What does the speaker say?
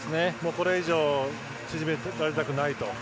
これ以上、縮められたくないと。